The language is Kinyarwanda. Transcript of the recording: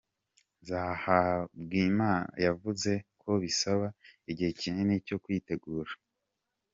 Nzahabwanima yavuze ko bisaba igihe kinini cyo kwitegura.